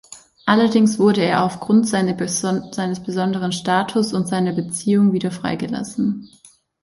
Allerdings wurde er aufgrund seines besonderen Status und seiner Beziehungen wieder freigelassen.